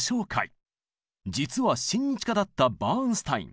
実は親日家だったバーンスタイン。